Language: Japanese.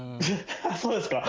そうですか？